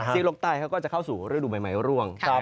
โลกใต้เขาก็จะเข้าสู่ฤดูใบไม้ร่วง